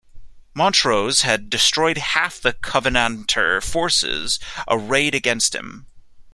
Montrose had destroyed half the Covenanter forces arrayed against him.